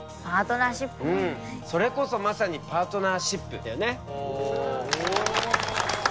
それこそまさにパートナーシップだよね。